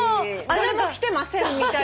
誰も来てませんみたいな。